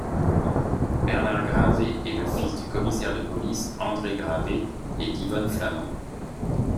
Bernard Gravet est le fils du commissaire de police André Gravet et d'Yvonne Flament.